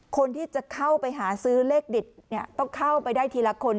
คนที่จะเข้าไปหาซื้อเลขเด็ดต้องเข้าไปได้ทีละคน